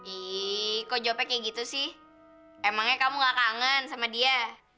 ih kok jope kayak gitu sih emangnya kamu gak kangen sama dia